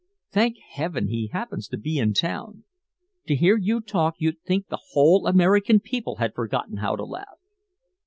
Thank Heaven he happens to be in town. To hear you talk you'd think the whole American people had forgotten how to laugh.